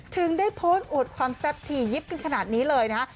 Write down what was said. ถึงได้โพสต์อวดความแซ่บถี่ยิบกันขนาดนี้เลยนะฮะ